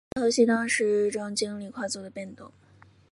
该游戏当时正经历快速的变动。